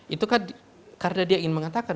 itu kan karena dia ingin mengatakan